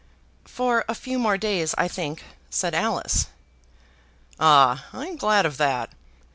"For a few more days, I think," said Alice. "Ah I'm glad of that.